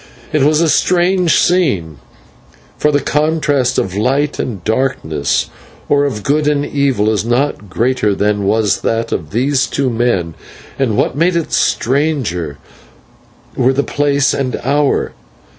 It was a strange scene, for the contrast of light and darkness, or of good and evil, is not greater than was that of these two men, and what made it stranger were the place and hour.